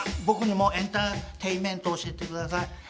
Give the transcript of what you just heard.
僕にもエンターテインメントを教えてください。